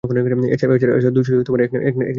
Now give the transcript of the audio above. এ ছাড়া দুই শিশু ও এক নারী নিহত হয়েছেন।